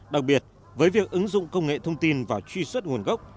đặc biệt với việc ứng dụng công nghệ thông tin vào truy xuất nguồn gốc